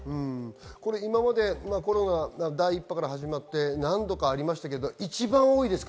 今までコロナ第１波から始まって何度かありましたが一番多いですか？